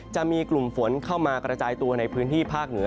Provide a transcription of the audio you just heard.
จะมีกลุ่มฝนเข้ามากระจายตัวในพื้นที่ภาคเหนือ